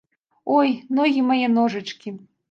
Ой, ногі мае, ножачкі!